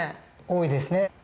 多いですね。